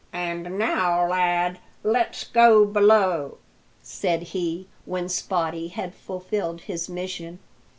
"And now, lad, let's go below," said he, when Spottie had fulfilled his mission.